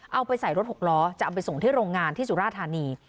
เอาไปใส่รถหกล้อจะเอาไปส่งที่โรงงานที่สุราธานี